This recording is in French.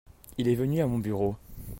Il est venu à mon bureau.